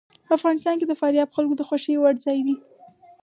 افغانستان کې فاریاب د خلکو د خوښې وړ ځای دی.